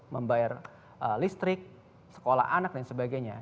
membayar listrik sekolah anak dan sebagainya